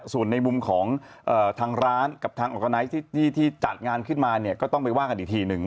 ส่วนในมุมของทางร้านกับทางออร์กาไนท์ที่จัดงานขึ้นมาเนี่ยก็ต้องไปว่ากันอีกทีหนึ่ง